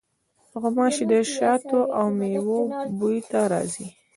غوماشې د شاتو او میوو بوی ته راځي.